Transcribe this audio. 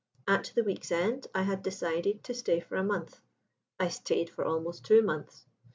At the week's end I had decided to stay for a month. I stayed for almost two months.